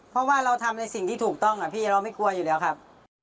เพราะว่าเราทำในสิ่งที่ถูกต้องพี่เราไม่กลัวอยู่แล้วครับ